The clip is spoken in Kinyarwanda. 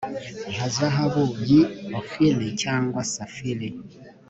nka zahabu y'i ofiri cyangwa safiri